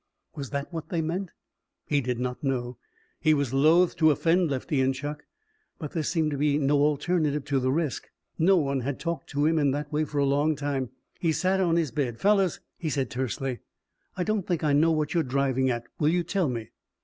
Was that what they meant? He did not know. He was loath to offend Lefty and Chuck. But there seemed no alternative to the risk. No one had talked to him in that way for a long time. He sat on his bed. "Fellows," he said tersely, "I don't think I know what you're driving at. Will you tell me?"